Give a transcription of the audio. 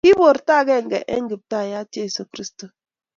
Ki borto agenge eng Kiptaiyat Jeso Kristo